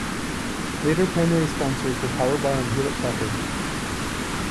Later primary sponsors were PowerBar and Hewlett-Packard.